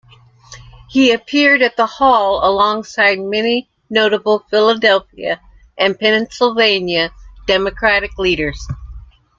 He appeared at the Hall alongside many notable Philadelphia and Pennsylvania Democratic leaders.